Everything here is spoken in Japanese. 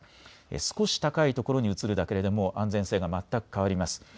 少し高い所に移るだけでも安全性が全く変わります。